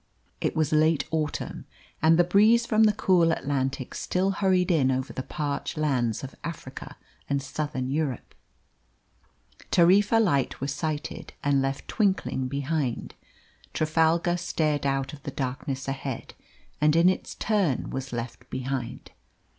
It was late autumn, and the breeze from the cool Atlantic still hurried in over the parched lands of Africa and Southern Europe. Tarifa light was sighted and left twinkling behind. Trafalgar stared out of the darkness ahead, and in its turn was left behind.